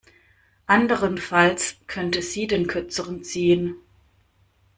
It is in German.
Anderenfalls könnte sie den Kürzeren ziehen.